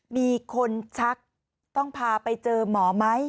มีคนชักต้องพาไปเจอหมอไหม